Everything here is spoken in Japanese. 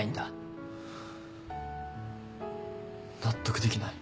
納得できない。